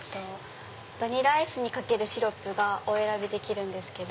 バニラアイスにかけるシロップが選べるんですけど。